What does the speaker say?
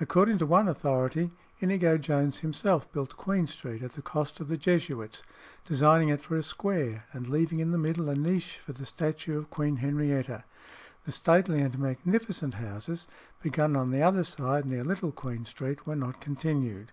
According to one authority Inigo Jones himself built Queen Street, at the cost of the Jesuits, designing it for a square, and leaving in the middle a niche for the statue of Queen Henrietta. "The stately and magnificent houses," begun on the other side near Little Queen Street, were not continued.